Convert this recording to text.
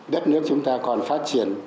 đất nước chúng ta còn phát triển